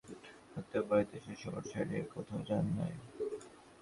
Doctor বাড়িতেই আছেন, শহর ছাড়িয়া কোথাও যান নাই।